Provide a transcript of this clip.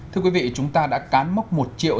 thưa quý vị chúng ta đã cán mốc một triệu